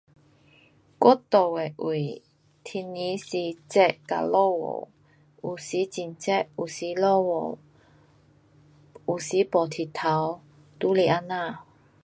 我住的位天气是热跟下雨，有时很热有时下雨。有时没太阳，就是这样。